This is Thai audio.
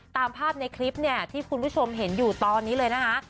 ตามภาพในคลิปเนี่ยที่คุณผู้ชมเห็นอยู่ตอนนี้เลยนะคะ